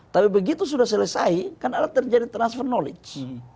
tapi begitu sudah selesai kan ada terjadi transfer knowledge